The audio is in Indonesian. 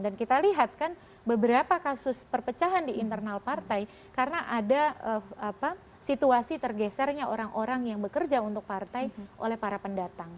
dan kita lihat kan beberapa kasus perpecahan di internal partai karena ada situasi tergesernya orang orang yang bekerja untuk partai oleh para pendatang